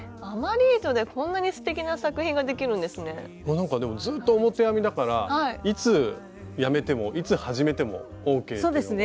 なんかでもずっと表編みだからいつやめてもいつ始めてもＯＫっていうのが。